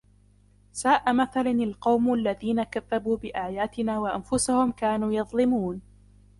سَاءَ مَثَلًا الْقَوْمُ الَّذِينَ كَذَّبُوا بِآيَاتِنَا وَأَنْفُسَهُمْ كَانُوا يَظْلِمُونَ